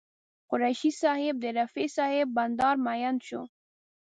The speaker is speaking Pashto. قریشي صاحب د رفیع صاحب بانډار مین شو.